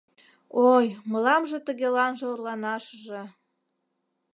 Ой, мыламже тыгеланже орланашыже